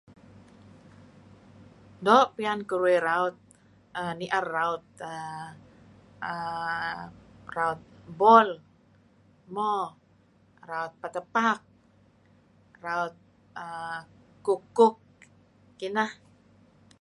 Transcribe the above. Doo' piyan keruih raut ni'er raut [er er] raut bol, mo raut petepak, raut err kuk -kuk kinah.